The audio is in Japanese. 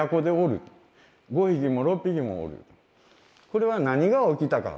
これは何が起きたか。